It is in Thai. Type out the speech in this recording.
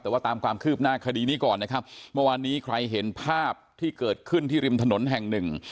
แต่ว่าตามความคืบหน้าคดีนี้ก่อนนะครับเมื่อวานนี้ใครเห็นภาพที่เกิดขึ้นที่ริมถนนแห่งหนึ่ง